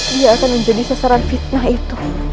dia akan menjadi sasaran fitnah itu